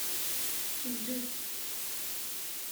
Kemmlet.